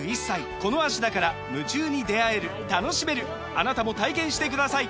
あなたも体験してください！